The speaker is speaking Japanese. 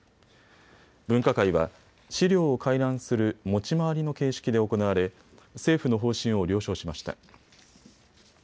分科会は資料を回覧する持ち回りの形式で行われ政府の方針を了承しました。